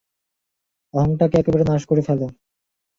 অহংটাকে একেবারে নাশ করে ফেল।